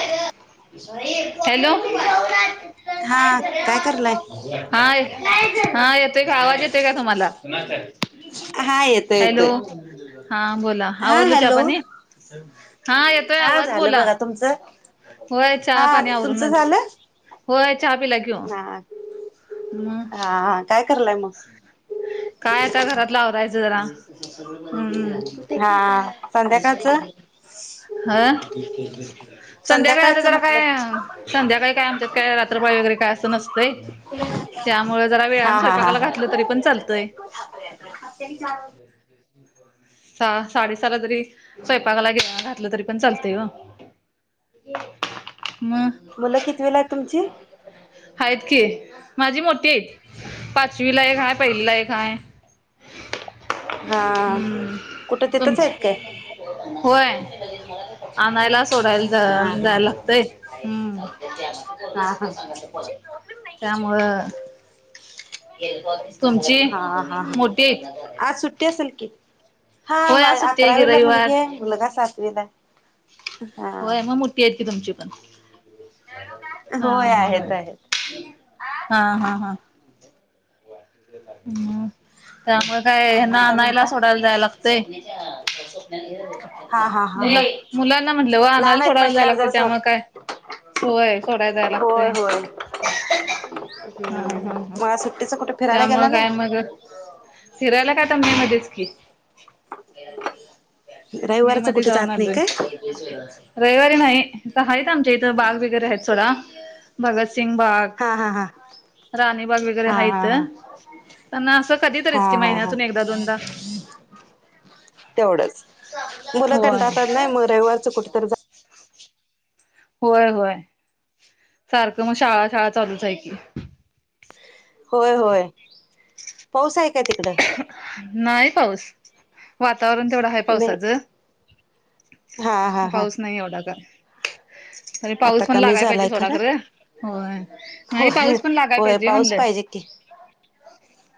Hello [unintelligible] हा काय करलाय हा हा येतोय का आवाज येतोय का तुम्हाला? हा येतोय येतोय हॅलो, हा बोला हा आवरडल चहा हॅलो पानी? हा येतोय आवाज झालं बोला, बघा तुमचं होय चहा हा पाणी तुमचं आवरूनच. झालं होय चहा पिला की ओ. हा हा काय करलाय मग? काय आता घरातला अवरायचं जरा, हम्म. हा, संध्याकाच. हं संध्याकाळी आता संध्याकाळचं जरा म्हटलं काय, संध्याकाळी काय आमच्यात काय रात्रपाळी वगैरे काय नसतय, त्यामुळे जरा वेळान हा हा हा स्वयंपाकाला हा घातलं तरी पण चालतंय. [unintelligible] सहा साडे सहाला जरी, स्वयंपाकाला घे घातलं तरी पण चालतय ग. म, मुलं किती वेला आहेत तुमची आहेत की माझी मोठी आहेत. पाचवी ला एक हाय, पहिलीला एक हाय. हा हम्म कुठं तिथंच तुमची आहेत काय होय, आणायला सोडायला जा हा - हा जाया लागतय, हम्म. हा [unintelligible] त्यामुळं [unintelligible] तुमची, मोठी आहेत. ते असल की, हा होय मा आज सुट्टी आहे की अकरावीला रविवार मुलगी आहे मुलगा सातवीला हाय. होय म मोठी आहेत की तुमची पण? हा होय हा हा आहेत आहेत. हा हा हा, हम्. त्यामुळ काय आणि हेना आनायला म्हणता सोडायला जाय लागतय. हा हा [unintelligible] ये हा मुला हा - मुलांना म्हटलं व आणायला लहान आहेत सोडायला जायला म्हटल्यावर लागत जर स त्यामुळ काय होय सोडाय जाय होय लागतय. होय हा हम्म हा ह, मला सुट्टीच कुठे फिरायला त्यामुळ गेला काय नाही मग? फिरायला काय आता मे मधेच की. मे रविवारच मध्ये कुठे जाऊन जात नाही आलोय. काय रविवारी नाही, इथ हाइत आमच्या इथं बाग वगैरे आहेत सोडा. भगतसिंग बाग, हा हा हा राणी बाग वगैरे हा हाईत. हा हा त्यांना असं कधी तरीच हा की हा हा महिन्यातून एकदा दोनदा. तेवढंच, मुलं होय कंटाळतात नाही म रविवारच कुठ तरी जा होय होय, सारखं म शाळा शाळा चालूच आहे की. होय होय पाऊस आहे काय तिकड नाही पाऊस वातावरण तेवढं आहे नाही पावसाचं पाऊस नाही एवढा का तरी ह पाऊस आता पण कमी लागाय पाहिजे झालाय सोडा खरा खरं होय नाही होय पाऊस पण लागाय होय पाहिजे पाऊस म्हणलं पाहिजे की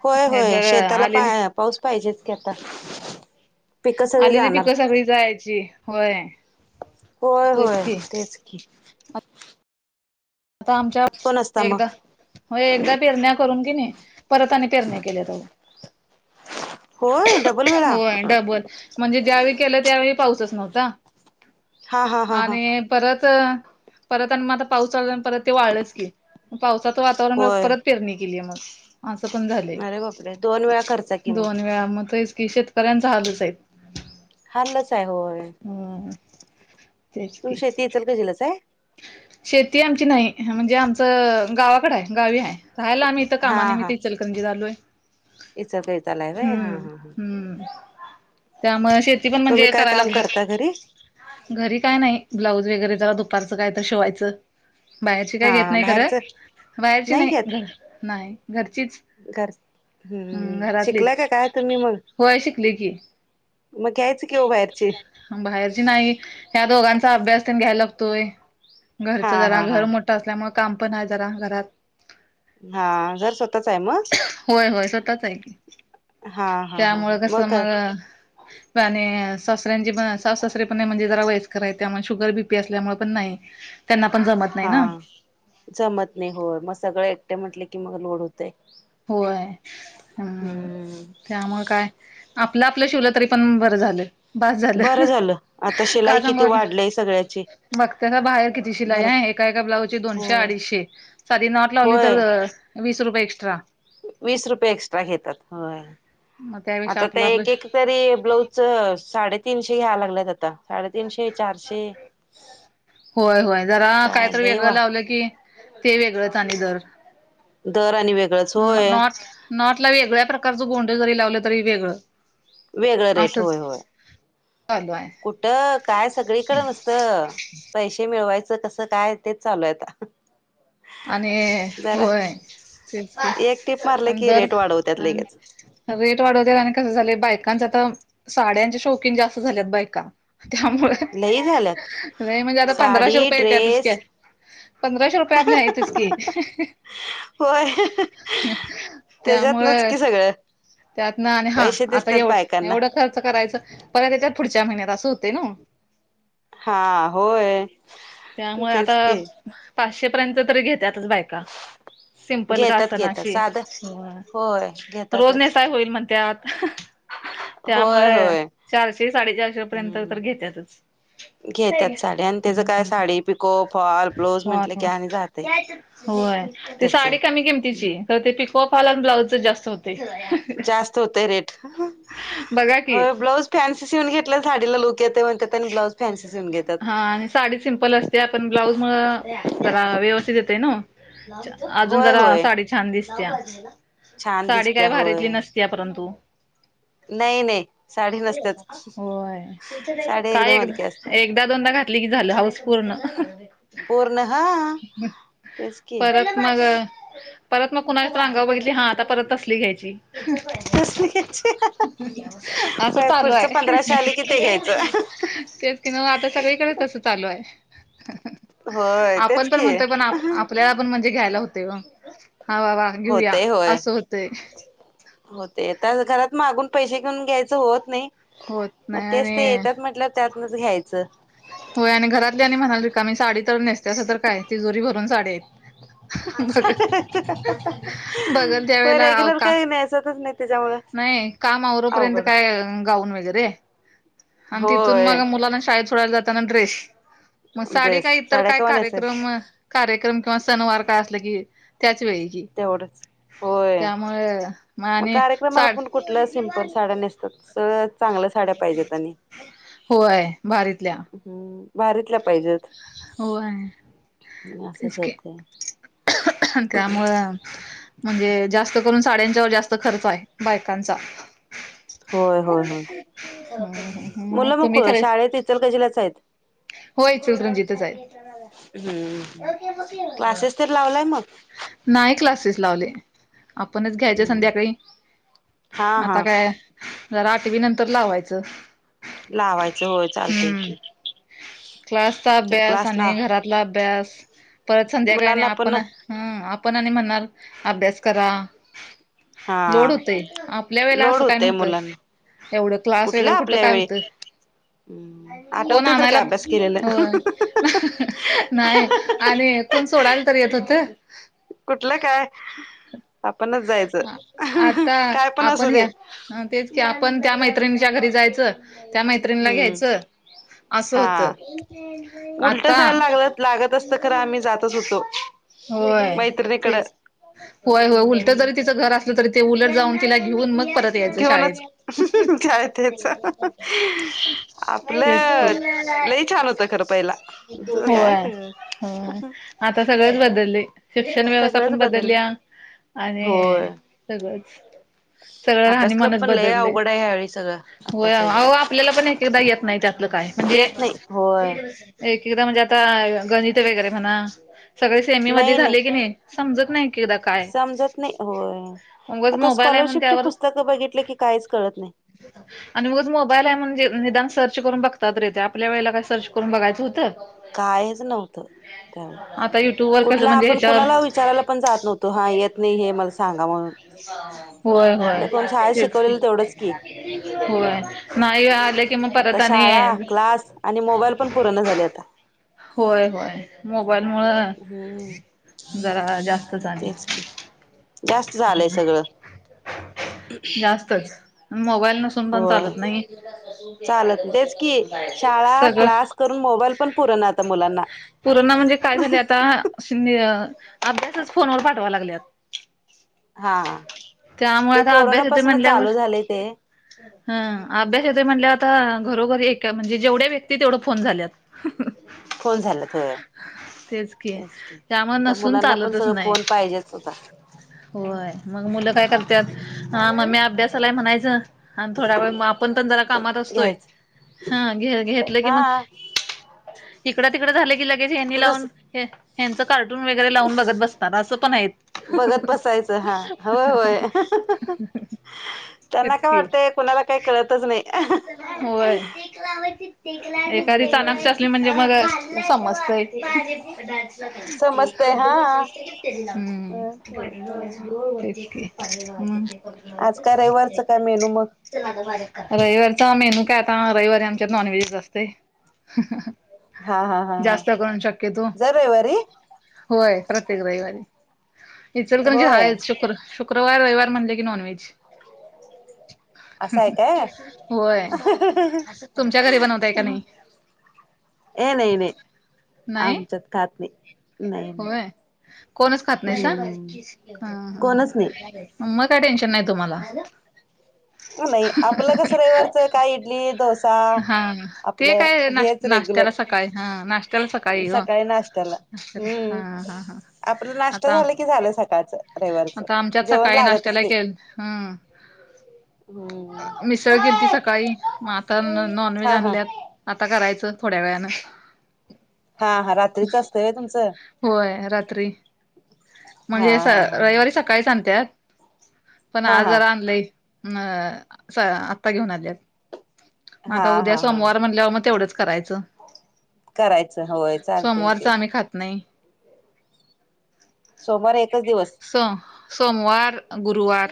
होय नाही होय तर शेताला आलेली पाय पाऊस पाहिजेच की आता पिक सगळे आलेली जाणार पिकं सगळी जायची होय होय तेच होय की तेच की आता आमच्या तो नसता एकदा मग हो एकदा पेरण्या करून कि नाही परतने पेरण्या केल्या होय डबल वेळा होय डबल म्हणजे ज्यावेळी केलं त्यावेळी पाऊसच नव्हता हा हा हा हा आणि परत परत आणि मग आता पाऊस चालला परत ते वाढलंच की पावसाचं वातावरण होय परत पेरणी केली मग असं पण झालंय अरे बापरे दोन वेळा खर्च कि मग दोन वेळा मग इकशेत ्यांचा हाजच आहे हाल्लच आहे होय हो तुम शेती येेल क जिलस आहे शेती आमची नाही म्हणजे आमचं गावाकड आहे गावी आहे राहायला आम्ही हा कामाने मी हा तेचलकंजी झालोय इचलकरंजीला आहे व्हय हा हम्म हा हा हम्म त्यामु शेती पण तुम्ही म्हणजे काय करायलाग काम करता घरी घरी काय नाही ब्लाऊज वगरे जरा दुपारचं काय तर शिवायचं बाहेरची हा काय घेत हा नाही बाहेरच खरं बाहेरची नाही घ नाही घरचीच घर हम्म हम् शिकलाय घरातलीच का काय तुम्ही मग होय शिकली की मग घ्यायच कि ओ बाहेरची बाहेरची नाही ह्या दोघांचा अभ्यास ते घ्यायला लागतोय हा घरच जरा हा हा घर मोठं असल्यामुळे काम पण आहे जरा घरात हा घर स्वतःच आहे मग होय होय स्वतःच आहे की हा हा हा हा त्यामुळं कस मग घर मला आणि सासऱ्यांचे पण स ससरे पण नाही म्हणजे जरा वयस्करराय त्यामुळे शुगर बी पी असल्यामुळे पण नाही त्यांना पण जमत नाही हा ना जमत नाही होय मग सगळं एकटे म्हटले की मग लोड होतेय होय हम् त्यामुळे काय आपलं आपलं शिवला तरी पण बरं झालं बस झालं बरं आता शिलाई काय सांगू किती आता वाढलीय सगळ्याची बघते ना बाहेर किती शिलाई भर आहे एका एका ब्लाउज ची दोनशे होय अडीचशे साधी नोटलावली होय तर वीस रुपये एक्स्ट्रा वीस रुपये एक्स्ट्रा घेतात होय मग त्यापेक्षा आता ते आपलं आपलं एक एक तरी ब्लाज साडेतीीनशे घ्या लागलेत आता साडेतीीनशे चारशे होय होय जरा काय कायत लय वेगळं वा लावलं की ते वेगळच आणि दर दर आणि वेगळंच होय नॉट नॉटला वेगळ्या प्रकारच गोंड जरी लावलं तरी वेगळं वेगळं रेट होय होय असच चालवा आहे कुठं काय सगळीकडे नसत त पैसे मिळवायचं कसं काय तेच चालू हाय आता. आणि जरा होय ते एक टीप मारलं आणि की दर रेट वाढवत्यात लगेच रेट वाढवत्यात आणि कसं झालयं बायकांच आता साडयांचे शौकीन जास्त झालेत बायका त्यामुळ लई झाल्यात नाही म्हणजे आता पंधराशे साडी रुपये येत्यातच की ड्रेस आणि पंधराशे रुपये आपले आहेतच की होय त्याच्यात नच की सगळं. त्यातन आणि हा पैसे आता दिसतात बायकांना एवढं खर्च करायचं परत येत्यात पुढच्या महिन्यात असं होते न हा होय! त्यामुळं आता तेच की पाचशे पर्यंत तरी घेत्यातच बायका. सिम्पल का घेतात असना घेतात अशी साधं होय रोज घेतातच नेसाय होईल म्हणत्यात. होय त्यामुळं होय चारशे साडेचारशे पर्यंत तर घेत्याच घेत्यात साडया आणि त्याच काय sari pico fall blouse हो म्हटलं की आणि जाते होय ते त्याच साडी कमी किमतीची तर ते पिको फॉल आणि ब्लाउजच जास्त होते जास्त होतय रेट बघा की व्हय ब्लॉउज फॅन्सी शिवून घेतले साडीला लुक येतय म्हणत्यात आणि ब्लाउज फॅन्सी शिवून घेतात. हा आणि साडी सिम्पल असत्या पण ब्लाऊज मुळं जरा व्यवस्थित येतय न. अजून होय जरा होय साडी छान दिसतत्या छान साडी काय दिसत्या भारीतली होय नस त्या परंतु नाही नाही साडी नसत्याच होय साडी काय एकदम एक हलकी असत्या एकदा दोनदा घातली की झालं हाऊस पूर्ण पूर्ण हा तेच की परत मग परत मग कुणाच्या तर आंगावर बघीतली हा आता परत तसली घ्यायची तसली घ्यायची असं होय चालू पुढचं हाय. पंधराशे आले कि ते घ्यायचं तेच की नव्ह आता सगळीकडे तसं चालू आहे. होय आपण तेच पण की म्हणतोय पण आप आपल्या आपण म्हणजे घ्यायला होतय हो वा वा घेऊया असं होतय. होते तर घरात मागून पैसे घेऊन घ्यायचं होत नाही होत मग नाही तेच ते आणि येतात म्हटलं त्यातनच घ्यायचं. होय आणि घरातली आणि म्हणाली रिकामी साडी तर नेसत्यास तर काय तिजोरी भरून साडी आहेत. बघ बघल त्या व्हय रेग्युलर काय नेसतच नाही त्याच्याममुळं न्हाय काम आवरु पर्यंत काय गाऊन वगैरे आण तिथून मग होय मुलांना शाळेत सोडायला जाताना ड्रेस मग साडी का ड्रेस इतर साड्या काय कवा नेसायचं कार्यक्रम कार्यक्रम किंवा सणवार काय असलं की त्याचवेळी तेवढंच होय त्यामुळे म मग आणि कार्यक्रमाला साड पण कुठलं सिम्पल साड्या नेसतात सगळं चांगल्या साड्या पाहिजेत आणि होय भारीतल्या हम्म भारीतल्या पाहिजेत. व्हय! असंच असतंय. त्यामुळं म्हणजे जास्त करून साड्यांच्यावर जास्त खर्च हाय बायकांचा होय होय होय! [inaudible] मुलं तुम्ही नको खरे शाळेत इचलकरंजी लाच आहेत. होय इचलकरंजीतच आहेत. हम्म क्लासेस तर लावलाय मग नाही क्लासेस लावले आपणच घ्यायचे हम्म संध्याकाळी हा आता हा काय जरा आठवी नंतर लावायचं. लावायचं होय चालतंय हम्म की क्लासचा जर अभ्यास क्लास आणि लाव घरातला अभ्यास परत संध्याकाळीन मुलांना पण आपण हम आपण आणि म्हणणार अभ्यास करा. हा लोड होतोय आपल्या वेळेला लोड असं काय होतय नव्हतं. मुलांना एवढं क्लास कुठलं वगैरे कुठं आपल्या काय वेळी होतं हम्म कोण आठवते तर आणायला काय अभ्यास केलेलं होय नाही आणि कोण सोडायला तर येत होत. कुठलं काय आपणच जायचं आ- आता काय पण असू आपण दे. ह्या ह तेच की आपण त्या मैत्रिणीच्या घरी जायचं त्या मैत्रिणीला हम्म घ्यायचं. असं हा होत उलट आता जायला लागलं लागत असत खरं आम्ही जातच होतो होय मैत्रिणीकडं तेच होय होय उल जरी हम्म तिचं घर असलं तरी ते उलट जाऊन तिला घेऊन मग परत दयच शाळेत घेऊनच काय त्याच आपलं लई छान होतं खरं पहिला तुझं काय होय सगळं हो आता सगळेंच बदलले शिक्षण व्यवस्था सगळंच पण बदल बदलल्या. आणि हे होय सगळंच सगळं अभ्यासक्रम राहणीमानच पण लय बदलले अवघड आहे ह्यावेळी सगळं होय आताच्या ह्याच्यात आपल्याला पण एक एकदा येत नाही त्यातलं काय म्हणजे येत नाही होय एक एकदा म्हणजे आता गणित वगैरे म्हणा सगळे सेमीमध्ये झाले की नाही समजत नाही की एकदा काय समजत नाही होय उगच आता मोबाईल आहे म्हणून स्कॉलरशिपची त्यावर पुस्तक बघितली की काहीच कळत नाही. आणि उगच मोबाईल आहे म्हणजे निदान सर्च करून बघतात तरी येत, आपल्या वेळेला काही सर्च करून बघायचं होतं. कायच नव्हतं त्यावेळी आता युट्यूब वर कसं कुठला म्हणजे आपण कुणाला ह्याच्यावर विचारायला पण जात नव्हतो हा येत नाही हे मला सांगा म्हणून होय म्हटलं होय कोण शाळेत तेच की शिकवलेलं तेवढंच की होय. नाही आले की मग आता परत आणि शाळा क्लास आणि मोबाईल पण पुरेना झाले आता होय होय मोबाईल मूळ हम. आणि तेच की जास्त झालंय सगळं जास्तच मोबाईल नसून पण होय चालत नाही चालत सगळं तरुन मोबाईल पण पुरना आता मुलां पुरना म्हणजे काय झाले आता, अभ्यासच फोनवर पाठवा लागल्यात. हा त्यामुळे ते आता अभ्यास येत कोरोनापासून म्हणल्यावर चालू झाले ते ह अभ्यास येत म्हणल्यावर आता घरोघरी ए म्हणजे जेवढ्या व्यक्ती तेवढं फोन झाल्यात. हम्. फुल झाल्यात होय. तेच की त्यामुळे आता नसून मुलांना पण चालतच सगळं नाही. फोन पाहिजेच होता होय मग मुलं काय करतात हा मम्मी अभ्यास आला म्हणायचं. आणि थोड्या वेळ आपण पण जरा कामात असतोय घ्यायचं हा घ घेतलं की मग हा तिकडं तिकडे झालं की लगेच हेंनी ते दुस लावून हच कार्टून वगैरे लावून बघत बसतात असं पण आहेत. बघत बसायचं हम् त्यांना तेच काय की वाटतंय कुणाला काही कळतच नाही. होय एखादी चाणाक्ष असली म्हणजे- मग हम्म समजतय. हम्म. समजतय हा. आज काय रविवारचं काय मेनू मग? रविवारीचा मेनू काय आता? रविवारी आमच्यात नॉनव्हेज असतय. हा हा हा हा जास्त करून शक्यतो. जर रविवारी होय. प्रत्येक रविवारी. इचलकरंजीत होय आहे शक्यतो - शुकवार, रविवार म्हटलं की नॉनव्हेज. असं आहे काय? होय. तुमच्या घरी बनवताय का नाही? हे नाही नाही. आमच्यात- खात नाही नाही नाही व्हय. कोणच खात नाहीयसा? हम्म हं हं कोणच नाही. हं. मग काय टेन्शन नाही तुम्हाला. नाही. आपलं कसं रविवारचं काय इडली डोसा. हा ते आपलं काय ना हेच रेग्युलर नाशत्याला सकाळी. हा नाश्त्याला सकाळी. नाश्त्याला अस. हा हम्म. हा हा. आपला नाश्ता आता. झाला की झालं सकाळचं रविवारचं आता आमच्यात जेवण सकाळी लागतच नाश्त्याला नाही. केेल. हम्. हम्म. मिसळ केलती सकाळी. मग आता नॉन व्हेज हा हा आणल्यात. आता करायचं थोड्या वेळान. हा हा. रात्रीच असतंय होय तुमचं होय. रात्री हा म्हणजे हा हा रविवारी स- काळीच आणत्यात. पण हा हा आज हा जरा आणलंय. अ. आता घेऊन आल्यात. म हा आता हा उद्या हा हा सोमवार म्हणल्यावर मग तेवढंच करायचं. करायचं. होय. चालतंय सोमवारच की आम्ही खात नाही. सोमवार एकच दिवस. स सोमवार, गुरुवार,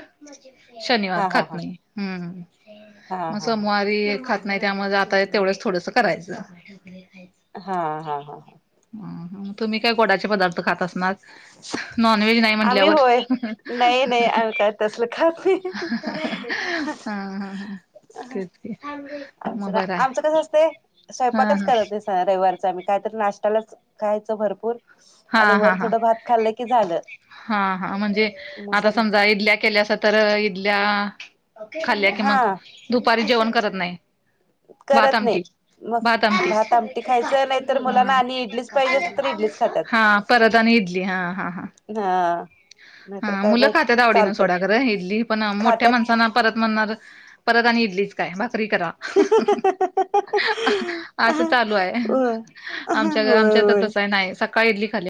शनिवार हा हा खात हा नाही. हम्म. हा हा मग हा सोमवारी खात नाही. त्यामुळे आता तेवढंच थोडस करायचं. हा हा हा हा. हं हं. तुम्ही काय गोडाचे पदार्थ खात असणार? नॉनव्हेज नाही आम्ही म्हटल्यावर होय. नाही नाही आम्ही काय तसल खात नाही. हा हा हम. तेच की. मग आमचं ना बर आहे. हा ह. रविवारच आम्ही काहीतरी नाश्तालाच खायच भरपूर. ह आणि हा वर हा हा थोडं भात खाल्लं की झालं. हा हा. म्हणजे मग आता सं समजा इडल्या केल्यास- तर इडल्या खाल्ल्या कि हा मग दुपारी जेवण करत नाही. भात करत नाही आमटी. मग भात आमटी. खायचं नाही तर मुलांना हं. आणि इडलीच पाहिजे असेल तर इडलीच खातात हा. परत आणि इडली हा हा हां. हा. नाहीतर हा. काय मुलं मग खात्यात आवडीनं चालतय सोडा खरं इडली पण. मोठ्या खातात माणसाना परत- म्हणणार परत आणि इडलीच काय भाकरी करा असं चालू आहे होय आमच्या होय आमच्याता होय तसं नाही सकाळी इडली खाली